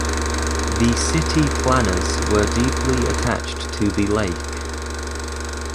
The city planners were deeply attached to the lake.